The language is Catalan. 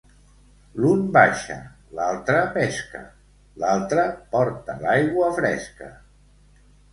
L'un baixa, l'altre pesca, l'altre porta l'aigua fresca.